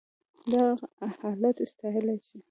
دغه حالت ستايل شي.